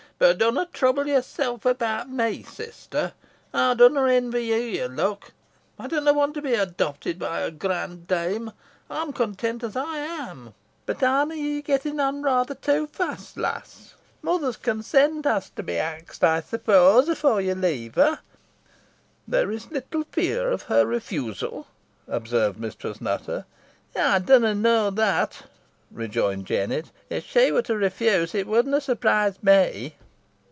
Boh dunna trouble yourself about me, sister. Ey dunna envy ye your luck. Ey dunna want to be adopted by a grand dame. Ey'm content os ey am. Boh are na ye gettin' on rayther too fast, lass? Mother's consent has to be axed, ey suppose, efore ye leave her." "There is little fear of her refusal," observed Mistress Nutter. "Ey dunna knoa that," rejoined Jennet. "If she were to refuse, it wadna surprise me."